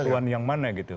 dari satuan yang mana gitu